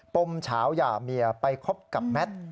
มเฉาหย่าเมียไปคบกับแมท